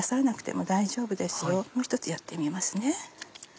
もう一つやってみますね。